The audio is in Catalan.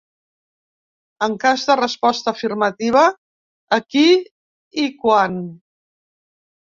En cas de resposta afirmativa, a qui i quan?